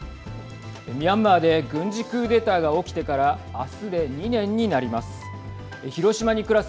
ミャンマーで軍事クーデターが起きてから明日で２年になります。